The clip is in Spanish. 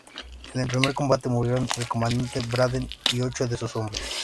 En el primer combate murieron el comandante Braden y ocho de sus hombres.